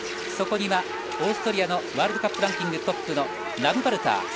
そこにはオーストリアのワールドカップランキングトップのラムパルター